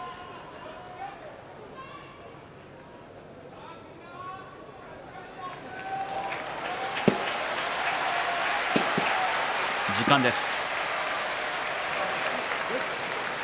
拍手時間です。